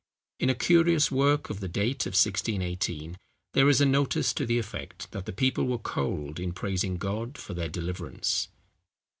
In a curious work of the date of 1618, there is a notice to the effect that the people were cold in praising God for their deliverance.